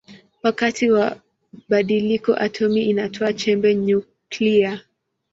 Wakati wa badiliko atomi inatoa chembe nyuklia.